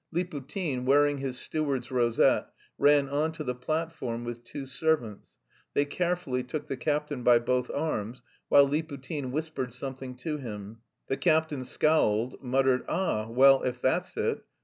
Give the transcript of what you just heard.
Liputin, wearing his steward's rosette, ran on to the platform with two servants; they carefully took the captain by both arms, while Liputin whispered something to him. The captain scowled, muttered "Ah, well, if that's it!"